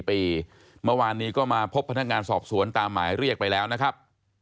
เมื่อวานนี้ก็มาพบพนักงานสอบสวนตามหมายเรียกไปแล้วนะครับ